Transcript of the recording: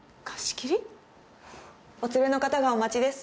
お連れの方がお待ちです。